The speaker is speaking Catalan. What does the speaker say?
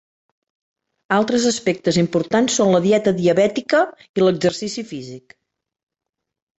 Altres aspectes importants són la dieta diabètica i l'exercici físic.